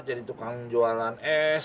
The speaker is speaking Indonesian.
jadi tukang jualan es